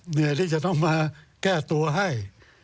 เหนื่อยที่จะต้องมาแก้ตัวให้